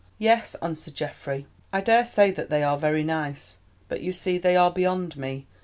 "Yes," answered Geoffrey, "I daresay that they are very nice; but, you see, they are beyond me.